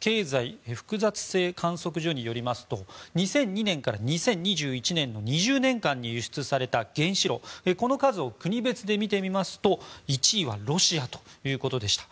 経済複雑性観測所によりますと２００２年から２０２１年に輸出された原子炉その数を国別で見てみますと１位はロシアということでした。